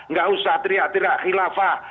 tidak usah teriak teriak khilafah